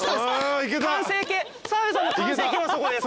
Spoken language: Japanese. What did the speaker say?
澤部さんの完成形はそこです。